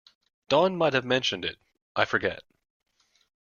Don might well have mentioned it; I forget.